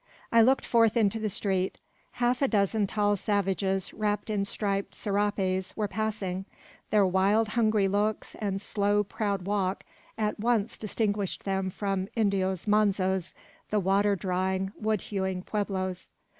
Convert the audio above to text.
I looked forth into the street. Half a dozen tall savages, wrapped in striped serapes, were passing. Their wild, hungry looks, and slow, proud walk at once distinguished them from "Indios manzos," the water drawing, wood hewing pueblos.